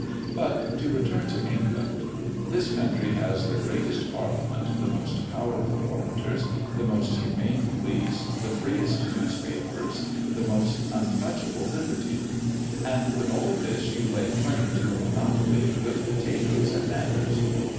But to return to England. This country has the greatest Parliament, the most powerful orators, the most humane police, the freest newspapers, the most untouchable liberty; and with all this you lay claim to a monopoly of good potatoes and manners!